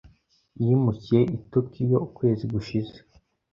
Yimukiye i Tokiyo ukwezi gushize.